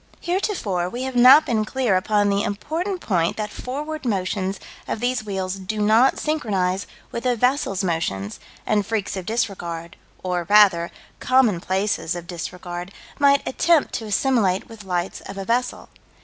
Heretofore we have not been clear upon the important point that forward motions of these wheels do not synchronize with a vessel's motions, and freaks of disregard, or, rather, commonplaces of disregard, might attempt to assimilate with lights of a vessel.